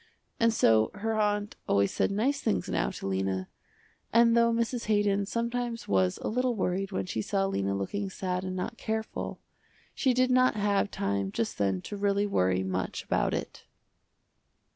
And so her aunt always said nice things now to Lena, and though Mrs. Haydon sometimes was a little worried when she saw Lena looking sad and not careful, she did not have time just then to really worry much about it.